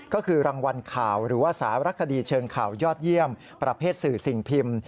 ก็คือรางวัลข่าวหรือว่าสารคดีเชิงข่าวยอดเยี่ยมประเภทสื่อสิ่งพิมพ์